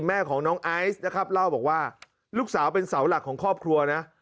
แม่ของน้องไอซ์นะครับเล่าบอกว่าลูกสาวเป็นเสาหลักของครอบครัวนะ